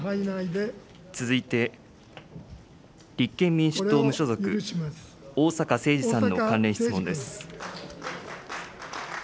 続いて、立憲民主党・無所属、逢坂誠二さんの関連質問です。